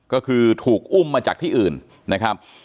ก็คือถูกอุ้มมาจากที่อื่นนะครับ